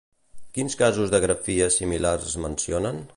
Quins casos de grafies similars es mencionen?